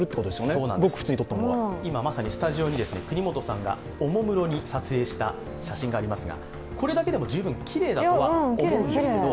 そうなんです、今スタジオに國本さんがおもむろに撮影した画像がありますがこれだけでも十分きれいだとは思うんですけど